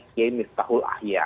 kiai mirtaul ahyar